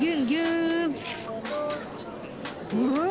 うん